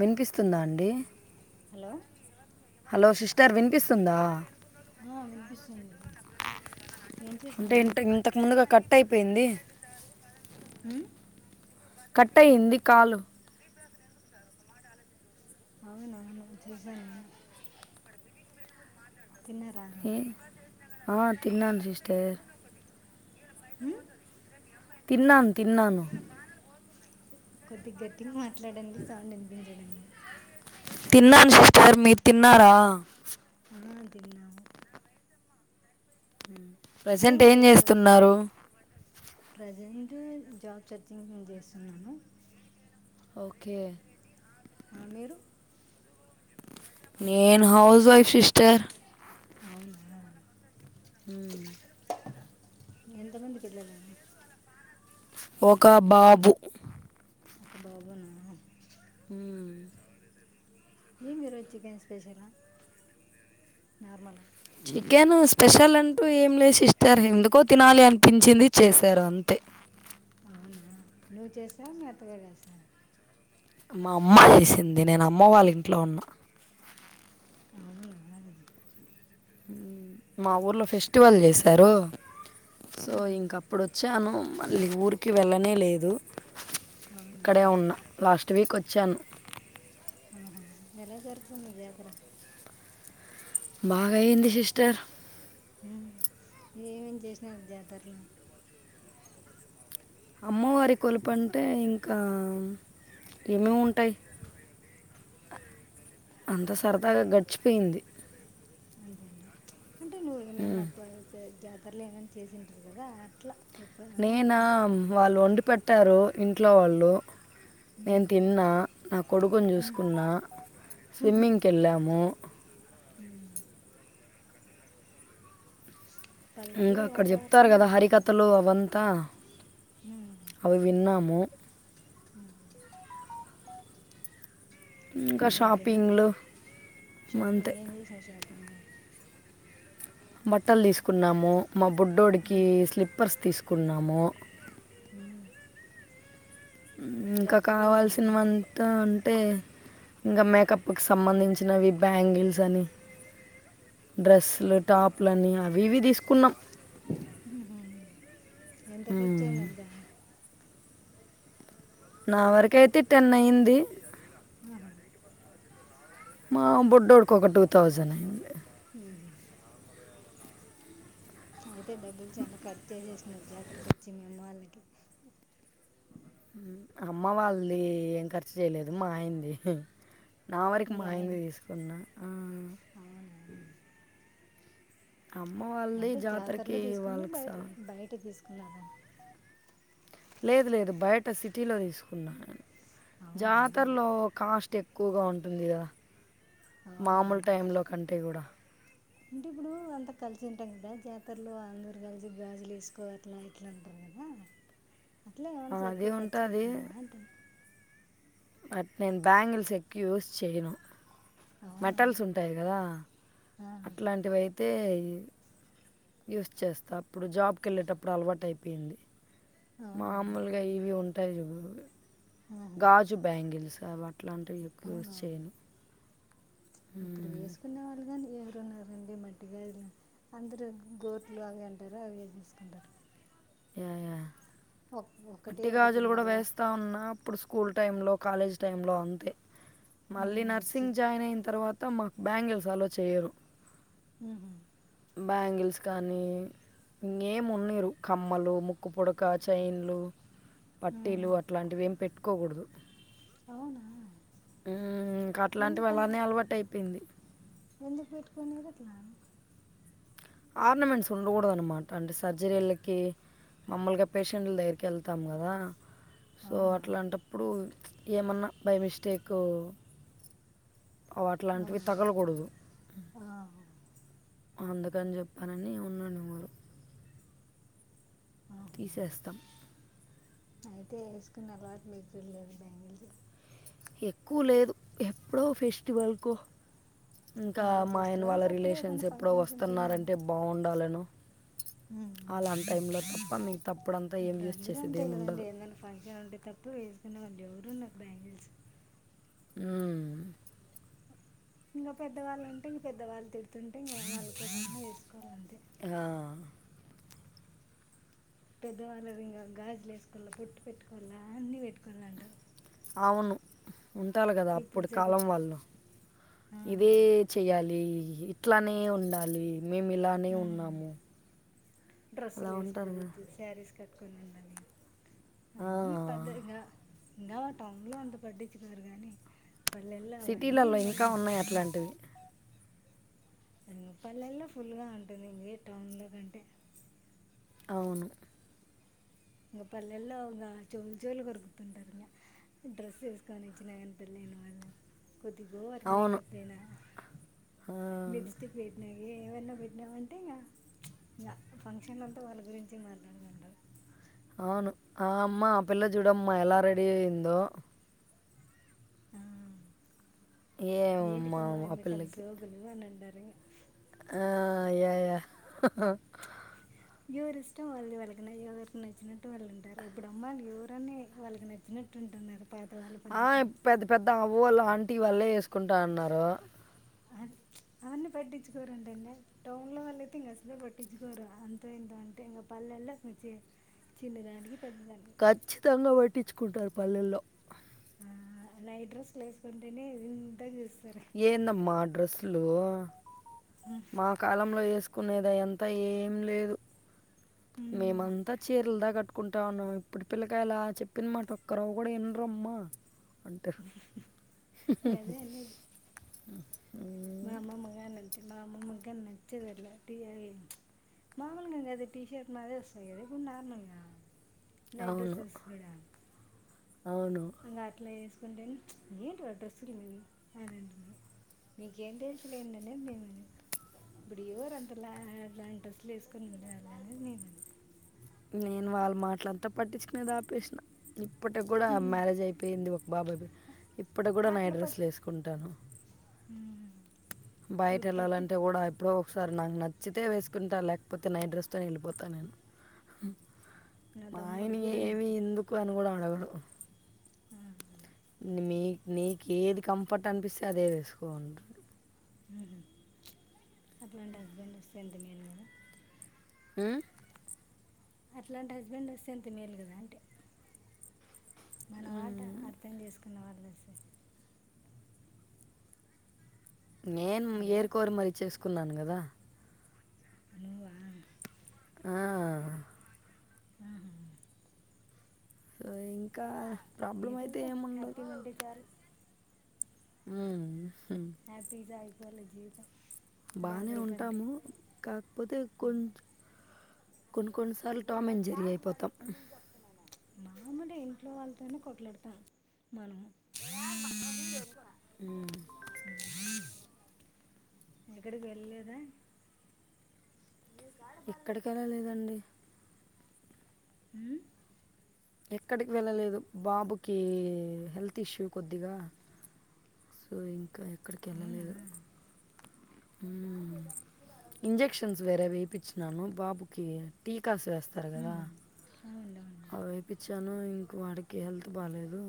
వినిపిస్తుందా అండీ hello hello sister వినిపిస్తుందా ఆ వినిపిస్తుంది ఏం అంటే ఇ చేస్తున్నావు ఇంతకు ముందుగా కట్ టైపోయింది ఉం కట్టయింది కాలు అవును అవును చూశానేను తిన్నారా ఏ? ఆ తిన్నాను సిస్టర్. ఉం తిన్నాను తిన్నాను. కొద్దిగ గట్టిగా మాట్లా మాట్లాడండి సౌండ్ వినిపించాడండి. తిన్నాను సిస్టర్ మీరు తిన్నారా. ఆ తిన్నా ఉం ప్రజెంట్ ఏమి ఏం ఈరోజు చేస్తున్నారు. అ జాబ్ సర్చింగ్ నేను చేస్తున్నాను ఓకే [unintelligible] నేను హౌస్ వైఫ్ సిస్టర్ [unintelligible] ఎంతమంది పిల్లలు ఒక బాబు [inaudible] ఇ ఏమిరోజు chicken special normal chicken special అంటూ ఏం లేదు సిస్టర్ ఎందుకో తినాలి అనిపించింది చేసారు అంతే అవునా నువ్వు చేసావ మీ అత్తగారు చేశార మా అమ్మ చేసింది నేను అమ్మ వాళ్ళ ఇంట్లో ఉన్న అవునా మా ఊర్లో ఫెస్టివల్ చేసారు సో ఆహా. ఇంక అప్పుడు వచ్చాను మళ్ళీ ఊరికి వెళ్ళనే లేదు ఇక్కడే అవునా ఉన్న లాస్ట్ ట్వీకి వచ్చాను [inaudible] బాగాయింది సిస్టర్ ఏమేమి చేసిన జాతరలో అమ్మవారి కొలుపు అంటే ఇంకా ఏమేమి ఉంటాయి అంత సరదాగా గడిచిపోయింది ఉమ్. [inaudible] [inaudible] నేనా అంటున్నా వాళ్ళు ఒండి పెట్టారు ఇంట్లో వాళ్ళు నేను ఉమ్, తిన్నా నా కొడుకుని చూసుకున్న స్విమ్మింగ్కి వెళ్ళాము ఉమ్. ఇంకా పల్లెటూరు అక్కడ చెప్తారు వాతావరణమే కదా బాగుంటుంది హరికథలు అవంతా ఉమ్, అవి విన్నాము ఇంకా ఇంకంతేనా షాపింగ్లు అంతే షాపింగ్ ఏం చేసినా షాపింగ్ బట్టలు తీసుకున్నాము మా బుడ్డోడికి ఉమ్, స్లిప్పర్స్ తీసుకు కున్నాము ఉమ్. ఇంకా జాతరలోనేనా కావాల్సినవంతా అంటే ఇంకా మేకప్కి సంబంధించినవి బ్యాంగిల్స్ అని డ్రెస్సులు టాపులు అని అవి ఇవి తీసుకున్నాం హుహు ఎంత ఖర్చు మ్మ్. అయింది అంతా నా వరకు అయితే టెన్ అయ్యింది హా మా బొడ్డోడికి ఒక టూ థౌజండ్ అయింది హ అయితే డబ్బులు చాన కర్చు చేసేసినడు జాతరకు వచ్చి మేం మామ్మా వాళ్ళకి అమ్మ వాళ్ళది ఏం ఖర్చు చేయలేదు మా ఆయనది నా వరకి మీ మా ఆయన ఆయనదే తీసుకున్న ఆ అవునా అమ్మ వాళ్ళది అంటే జాతరకి వాళ్ళకి సర్ లాగ లేదు లేదు బయట సిటీలో తీసుకున్నా అవునా జాతర్లో కాస్టు కాస్ట్ ఎక్కువగా ఉంటుంది కదా మామూలు అవునవును టైంలో కంటే కూడా అంటే ఇప్పుడు అంత కలిసి ఉంటాం కదా జాతరలో అందరు కలిసి గాజులు వేసుకో అట్లా ఇట్లా అంటారు కదా అట్లా ఏమన్న అది ఎక్కువ ఖర్చు ఉంటుంది పెట్టినావా అంటు బట్ నేను బ్యాంగిల్స్ ఎక్కువ యూస్ చేయను అవునా మెటల్స్ ఉంటాయి కదా ఆ, అట్లాంటివియితే యూస్ చేస్తా అప్పుడు జాబ్కి వెళ్ళేటప్పుడు అలవాటు అయిపోయింది అవునా మామూలుగాయి ఇవి ఉన్ ఉంటాయ్ కదు ఆహా, గాజు బ్యాంగిల్స్ అవి అట్లాంటివి ఎక్కు యూస్ అవునవును చేయను ఇప్పుడు వేసుకునే వాళ్ళు కాని ఎవ్వర్ వేస్తున్నారండి మట్టిగాజులు అందరూ గోట్లు అవి అంటారు అవి వేసుకుంటారు య యా ఒకటే మట్టి ఒకటి గాజులు కూడా ఉండాలి వేస్తా ఉన్నా అప్పుడు స్కూ స్కూల్ టైంలో కాలేజ్ టైంలో అంతే మళ్ళీ హ్మ్. చి నర్సింగ్ జాయిన్ అయిన తర్వాత్ అంతా మాకూ బ్యాంగిల్స్ అలో చెయ్యరు హుహు బ్యాంగిల్స్ కానీ ఇన్గా ఏం ఉన్నిరు కమ్మలు ముక్కు పుడక చైన్లు హ్మ్. పట్టీలు అట్లాంటివి ఏం పెట్టు కో కూడదు అవునా? మ్ ఇంకా అట్లాంటి ఎందుకలా? వాలానే అలవాటు అయిపోయింది ఎందుకు పెట్కొనిరు అట్లా ఆర్నమెంట్స్ ఉండకూడద అన్నమాట అంటే సర్జరీలకి మమ్మలుగా పేషెంట్ల దగ్గర్కి వెళ్తాం కదా సో అవునా? అట్లాంటప్పుడు ఏమన్నా బై మిస్టేకు అ అట్లాంటివి అవునవును. తగలకూడదు ఆహా! అందుకని చెప్పానని ఉన్నాడు వారు ఆహా! తీసేస్తాం అయితే వేసుకున్న అలవాటు మీకు లేదు బ్యాంగిల్స్ ఎక్కువ లేదు ఎప్పుడో ఫెస్టివల్ కు ఇంకా అదే మా ఆయన వాళ్ళ ఫెస్టివల్స్ అప్పుడు రిలేషన్స్ ఏదైనా ఎప్పుడో ఫంక్షన్స్ ఉంటేనే వస్తున్నారంటే బాగుండాలను హ్మ్. అలాంటి టైమ్ లో పమీ ఇప్పుడు అందరు అంతే కదండి ఏమైనా ఫంక్షన్ ఉంటే తప్పు వేసుకునే వాళ్ళీ ఎవరు ఉన్నారు బ్యాంగిల్స్ అ.... మ్ ఇంకా పెద్దవాళ్ళు ఉంటే ఇంక పెద్దవాళ్ళు తిడ్ తుంటేం వాళ్ళ కోసన్న వేసుకోవాలింతే ఆ, పెద్దవాళ్ళు వింగా గాజులు వేసుకోవాల బోట్టు పెట్టుకోవాలా అన్ని పెట్టుకోవాల అంటారు ఔను ఉంటాలి కదా ఇప్పుడు అప్పుడు చదువు కాలం వాళ్ళు ఆ, ఇదే చెయాలి ఇట్లానే ఉండాలి మేము ఇలానే ఉమ్, ఉన్నాము.... అలా ఉంటారు కదా కొని ఉండాలి ఆ, అన్ని పద్దంగా ఇంకావా టౌన్ లో అంత పడ్డిచు కోరు గాని. సిటీలలో ఇంకా ఉన్నాయి అట్లాంటివి పల్లెల్లో ఫుల్గా ఉంటుంది ఇ టౌన్లో కంటే అవును ఇంగ పల్లెలో ఇంగ చోలుచోలు కొర్కుతింటారు డ్రెస్ వేసుకోనిచ్చ నాగ పెళ్ అయిన వాళ్ళ కొద్దిగాోఓవర్ అవును మేకప్ అయినా ఆ, లిప్స్టిక్ వేట్నా ఇ ఏమనా పెట్టినామంటే ఇంగా ఇ ఫంక్షన్లంతా వాళ్ళ గురించి మాట్లాడదంటారు అవును ఆ అమ్మ ఆ పిల్ల చూడమ్మా ఎలా రెడీ అయిందో ఆ ఏమమ్మా ఏంటికమ్మా ఆ ఎందుకు అంత పిల్లకి సోగులు అని అంటారు రింగా ఆ యా యా ఎవరి ఇష్టం వాళ్ళు ది వాళ్ళకి ఎవరు నచ్చినట్టు వాళ్ళు ఉంటారు ఇప్పుడు అమ్మాళ్ళు ఎవరని వాళ్ళకి నచ్చినట్టు ఉంటున్నారు పాత వాళ్ళ ఆ పద్ధతిగా పెద్ద పెద్ద పోవాలా ఆంటీ వాళ్ళే చేసుకుంటా అన్నారు అది అవన్నీ పట్టించుకోరుంటండి టౌన్ లో వాల్ల అయితే ఇంక అసలే పట్టించుకోరు అంత ఏంట అంటే ఇంకా పల్లెల్లో అ చిన్నదానికి పెద్దదానికి ఖచ్చితంగా పట్టించుకుంటారు పల్లెల్లో ఆ నైట్ డ్రెస్లు వేసుకుంటేనే వింతగా చ ఎందమ్మ ఆ డ్రెస్ లు ఆ, మా కాలంలో ఏ కునేది అది అంత ఏం లేదు ఉమ్. మేమంతా చీరలు దా కట్టు కుంటాను ఇప్పుడు పిల్లకాయలా చెప్పిన మాట ఒక్క రవ్వ కూడా ఇన్రమ్మా అంట గదే అనేది మా అమ్మమ్మ గాని అంతే మా అమ్మమ్మకి గాని నచ్చదు టీ నార్మల్గా అది టీ షర్ట్ మాదిరే వస్తాది కద ఇప్పుడు నార్మల్గా నైట్ అవును డ్రెస్సెస్ అవును ఇంగ అట్లా వేసుకుంటే ఏంటి వా డ్రెస్సులు అని అంటుంది మీకేం తల్సులేం అనేది ఇప్పుడు ఎవరు అంతలాంటి డ్రెస్సులు వేసుకుని ఉండే వాళ్ళనేది నేను వాళ్ళ మాటల అంతా పట్టించుకునేది ఆపేసిన ఇప్పటికి కూడా ఉమ్. మ్యారేజ్ అయిపోయింది ఒక బాబు అయిపో ఇప్పటి కూడా నైట్ డ్రెస్లు ఏసుకుంటాను ఉ బయట వెళ్ళాలంటే కూడా ఎప్పుడో ఒకసారి నాకు నచ్చితే వేసుకుంటా లేకపోతే నైట్ డ్రెస్తోనే వెళ్ళిపోతానేను నా తమ్ముడు మాయన కూడా ఏమి నచ్చింది ఎందుకు అని కూడా అడగ డు మీ నీకు ఏది కంఫర్ట్ అనిపిస్తే అదే వేసుకో అట్లాంటి హస్బెండ్ వస్తే ఎంత మేలు కదా ఉ అట్లాంటి హస్బెండ్ వస్తే ఎంత మేలు కదా అంటి మన ఉం. వాట అర్థం చేసుకున్న వాళ్ళు వస్తే నేను హలో ఏరి కోరి మరి చెస్ కున్నాను కదా నువ్వా ఆ ఉహు సో ఇంకా ప్రాబ్లం అయితే ఏదలే ఏముండదు హ్యాపీగా ఉంటే చాలు ఉ హ్యాపీ జాయ్ వాళ్ళ జీవితం బానే బాధల కంటే ఉంటాము కాకపోతే కొంచం కొన్ని కొన్నిసార్లు టామ్ అండ్ జెర్రీ అయిపోతాం మామూలు ఇంట్లో వాళ్ళతోనే కొట్లాడతాం మనం ఎక్కడికి వెళ్ళలేదా ఎక్కడికెళ్ళలేదండి ఊ ఎక్కడికి వెళ్ళలేదు బాబుకి హెల్త్ ఇష్యూ కొద్దిగా సో ఇంకా ఎక్కడికి అవునా వెళ్ళలేదు ఇంజెక్షన్స్ వేరే వేపిచ్చినాను బాబుకి టీ కాసి వేస్తారు కదా ఉమ్, అవునులే అవునులే అవేపిచ్చా ను ఇంక వాడికి హెల్త్ బాలేదు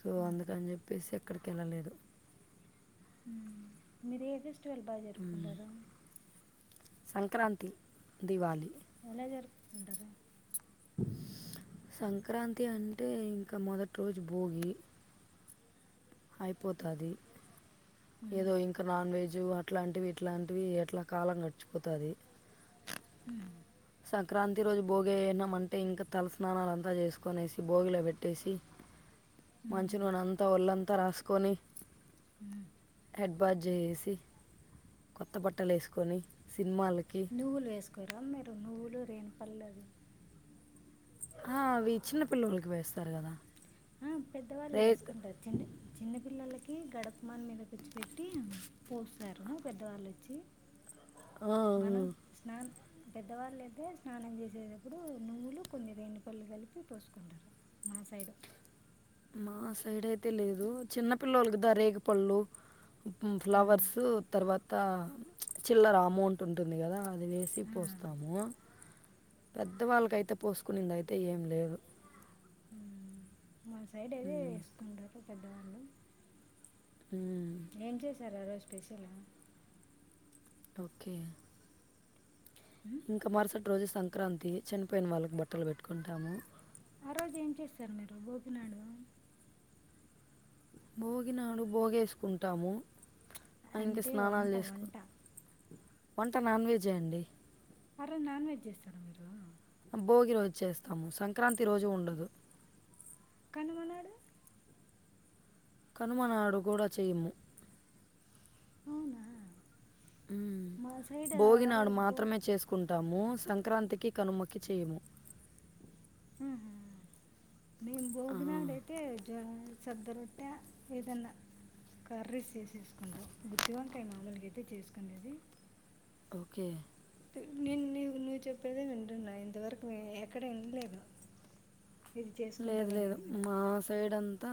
సో ఆహా. అందుకని చెప్పేసి ఎక్కడికి వెళ్ళలేదు మీరు ఏది ఫెస్టివల్ బాగా మ్మ్. జరుపుకుంటారా సంక్రాంతి దివాలి మేనేజర్ ఉంటారు సంక్రాంతి అంటే ఇంకా మొదటి రోజు భోగి అయిపోతాది ఉమ్, ఏదో ఇంక నాన్ వెజ్ జు అట్లాంటివి ఇట్లాంటివి ఎట్లా కాలం గడిచిపోతాది ఉమ్, సంక్రాంతి రోజు భోగేయనం అంటే ఇంక తలస్నానాలు అంతా చేసుకునేసి భోగిలో పెట్టేసి మంచి ఉమ్. నూనంతా ఒళ్ళంతా అంత రాసుకొని ఊ హెడ్ బాత్ చేసి కొత్త బట్టలు వేసుకొని సినిమాలకి నువ్వులు వేసుకోరా మీరు నువ్వులు లు రేగుపళ్ళది ఆ అవి చిన్న పిల్లలకి వేస్తారు గదా ఆ పెద్దవాళ్ళు వేసుకుంటారు చిన్న చిన్న పిల్లలకి కి గడప మాన్ మీద కూర్చోపెట్టి పోస్తారు పెద్దవాళ్ళు వచ్చి ఆ, మనం ఆ. స్నా పెద్దవాళ్ళైతే స్నానం చేసేటప్పుడు నువ్వులు కొన్ని రేణుపళ్ళు కలిపి పోసుకుంటారు మా సైడు మా సైడ్ అయితే లేదు చిన్న పిల్లోలు కదా రేగు పళ్ళు ఉమ్, ఫ్లవర్సు తర్వాత అంత చిల్లర అమౌంట్ ఉంటుంది కదా అది వేసి ఆ, పోస్తాము పెద్ద వాళ్ళకైతే పోసుకునిందయితే ఏం లేదు హమ్ మా సైడ్ అదే మ్, వేసుకుంటారు పెద్దవాళ్ళు మ్, ఏం చేశార ఆ రోజు స్పెషల్ గా ఓకే ఇంకా మరుసటి రోజు సన్ సంక్రాంతి చనిపోయిన వాళ్ళకు బట్టలు పెట్టుకుంటాము ఆ రోజు ఏం చేస్తారు మీరు భోగినాడు బోగినాడు బోగేసుకుంటాము ఆ ఇంకా అంటే స్నానాలు వంట చేసుకో వంట వంట నాన్ వెజే అండి అరజ్ నాన్ వెజ్ చేస్తారా మీరు భోగి రోజు చేస్తాము సంక్రాంతి రోజు ఉండదు కనుమనాడు కనుమనాడు కూడా చేయము అవునా ఉమ్ మా సైడ్ ఆ భోగిినడు రోజు భోగి మాత్రమే చేసుకుంటాము సన్ క్రాంతికి కనుమక్కి చేయము ఉహు ఆ, భోగినాడు అయితే జనం సద్ద రొట్టె ఏదన్నా కర్రీస్ చేసేసుకుంటవు గుర్త్తి వంకాయ మామూలుగా అైతే చేసుకునేేది ఓకే నేను నువ్ నువ్వు చెప్పేదే వింటన్నా ఇంతవరకు ఎక్కడ వినలేదు ఇది లేదు చేసుకుంటారు లేదు అనేది కూడా మా సైడ్ అంత్ అ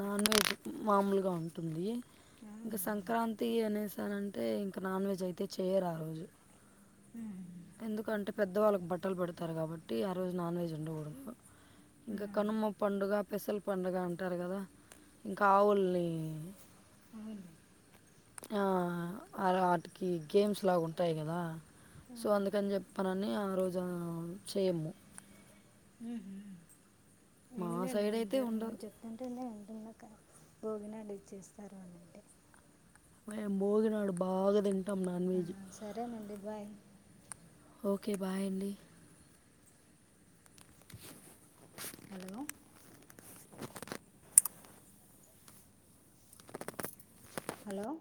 నాన్ వెజ్ మామూలుగా ఉంటుంది ఇకా అవునా సంక్రాంతి అనే సి అంతే ఇంకా నాన్ వెజ్ అయితే చేయరు ఆ రోజు ఉహు ఎందుకంటే పెద్ద వాళ్ళకి బట్టలు పెడతారు కాబట్టి ఆ రోజు నాన్ వెజ్ ఉండకూడదు ఆ. ఇంకా కనుమ్మ పండుగ స్పెషల్ పడుగ అంటారు కదా ఇంకా ఆవుల్ని అవును ఆ వాటికి గేమ్స్ లాగా ఉంటాయి కదా ఆ. సో అందుకని చెప్పానని ఆ రోజు ఆ చేయము ఉహు మా ఏంలే సైడ్ నేను అయితే ఇంతవరకు ఉండదు నువ్వు చెప్తుంటేనే నేను వింటున్నాక భోగినాడు ఇచ్చేస్తారు అని అంటే ం భోగి నాడు బాగాదిం టమ్ non veg bye okay bye అండి హలో హలో